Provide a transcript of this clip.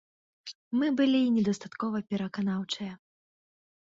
Мы былі недастаткова пераканаўчыя.